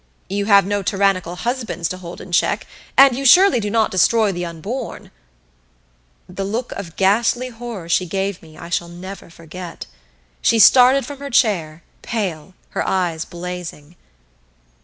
You have no tyrannical husbands to hold in check and you surely do not destroy the unborn " The look of ghastly horror she gave me I shall never forget. She started from her chair, pale, her eyes blazing.